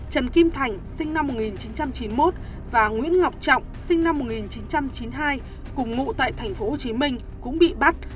trần kim thành sinh năm một nghìn chín trăm chín mươi một và nguyễn ngọc trọng sinh năm một nghìn chín trăm chín mươi hai cùng ngụ tại tp hcm cũng bị bắt